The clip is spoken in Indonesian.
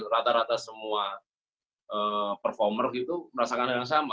rata rata semua performer itu merasakan yang sama